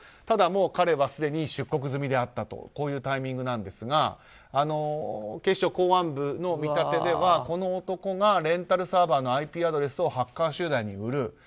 ただ、彼はすでに出国済みであったというタイミングなんですが警視庁公安部の見立てではこの男がレンタルサーバーのＩＰアドレスをハッカー集団に売る。